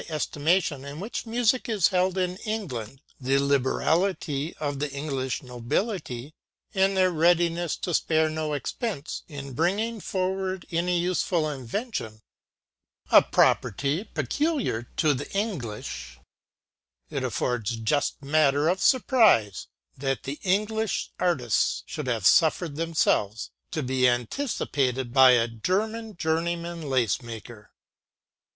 23 ŌĆ£ estimation in which music is held in England ; ŌĆ£ the liberality of the English nobility, and their ŌĆ£ readiness to spare no expenses in bringing for ŌĆ£ ward any useful invention, a property peculiar ŌĆ£ to the English; it affords just matter of surprise, ŌĆ£ that the English artists should have suffered ŌĆ£ themselves to be anticipated by a German ŌĆ£journeyman lace maker.